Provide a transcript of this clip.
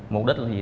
mục đích là gì